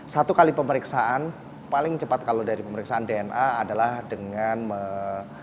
satu kali pemeriksaan paling cepat kalau kita pemeriksaan itu kita harus memperhatikan bahwa kita tidak akan terhubung dengan orang lain